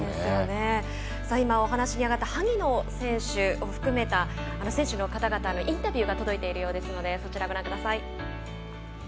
今、お話に上がった萩野選手を含めた選手の方々のインタビューが届いているようですのでそちら、ご覧ください。